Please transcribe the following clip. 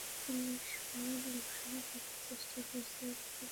Police ফোনের location খোঁজার চেষ্টা করলে, খুঁজে পায়না।